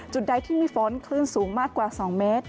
ใดที่มีฝนคลื่นสูงมากกว่า๒เมตร